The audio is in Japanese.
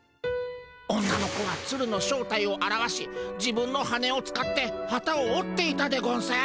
女の子はツルの正体をあらわし自分の羽根を使ってハタをおっていたでゴンス。